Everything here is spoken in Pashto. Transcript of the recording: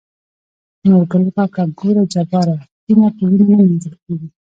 نورګل کاکا :ګوره جباره وينه په وينو نه مينځل کيږي.